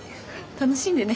楽しんでね。